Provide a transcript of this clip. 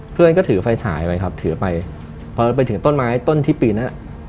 เพื่อนก็ถือไฟฉายไปครับถือไปพอไปถึงต้นไม้ต้นที่ปีนนั้น